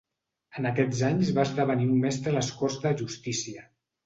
En aquests anys va esdevenir un mestre a les corts de justícia.